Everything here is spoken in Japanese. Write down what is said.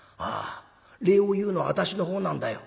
礼を言うのは私のほうなんだよ。